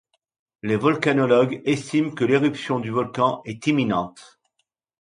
Les volcanologues estiment que l'éruption du volcan est imminente.